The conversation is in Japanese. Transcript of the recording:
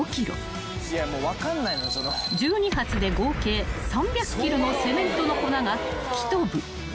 ［１２発で合計３００ｋｇのセメントの粉が吹き飛ぶ］